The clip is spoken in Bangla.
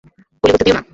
গুলি করতে দিও না।